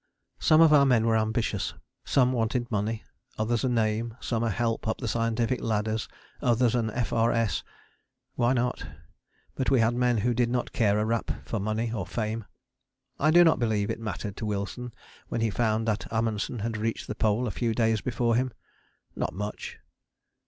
Some of our men were ambitious: some wanted money, others a name; some a help up the scientific ladder, others an F.R.S. Why not? But we had men who did not care a rap for money or fame. I do not believe it mattered to Wilson when he found that Amundsen had reached the Pole a few days before him not much.